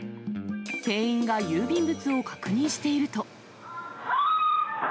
店員が郵便物を確認していると。